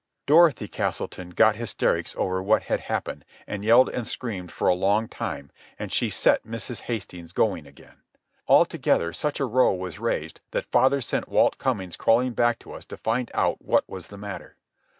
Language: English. Dorothy Castleton got hysterics over what had happened, and yelled and screamed for a long time and she set Mrs. Hastings going again. Altogether such a row was raised that father sent Watt Cummings crawling back to us to find out what was the matter.